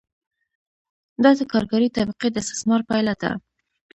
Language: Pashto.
دا د کارګرې طبقې د استثمار پایله ده